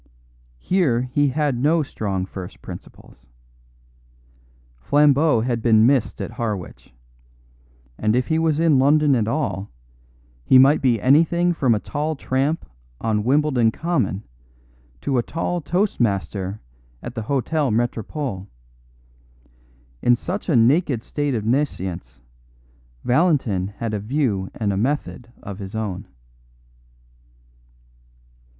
Here he had no strong first principles. Flambeau had been missed at Harwich; and if he was in London at all, he might be anything from a tall tramp on Wimbledon Common to a tall toast master at the Hotel Metropole. In such a naked state of nescience, Valentin had a view and a method of his own.